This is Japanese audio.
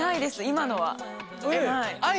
今のは。